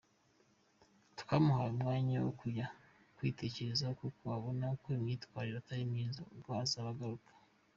Twamuhaye umwanya wo kujya kwitekerezaho kuko ubona ko imyitwarire itari myiza, ubwo azaba agaruka.